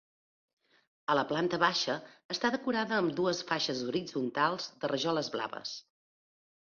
A la planta baixa està decorada amb dues faixes horitzontals de rajoles blaves.